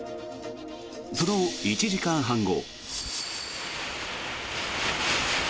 その１時間半後。